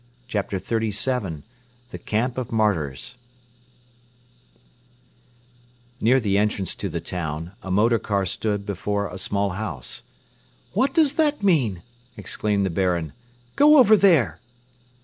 CHAPTER XXXVII THE CAMP OF MARTYRS Near the entrance to the town, a motor car stood before a small house. "What does that mean?" exclaimed the Baron. "Go over there!"